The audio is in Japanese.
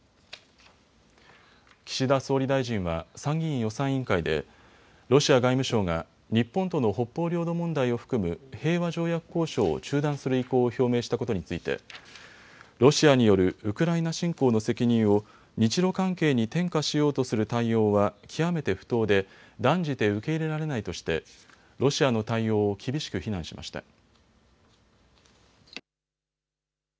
岸田総理大臣は参議院予算委員会でロシア外務省が日本との北方領土問題を含む平和条約交渉を中断する意向を表明したことについてロシアによるウクライナ侵攻の責任を日ロ関係に転嫁しようとする対応は極めて不当で断じて受け入れられないとしてロシアの対応を厳しく非難しました。